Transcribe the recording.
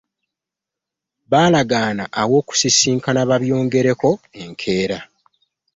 Baalagaana aw'okusisinkana babyongereko enkeera.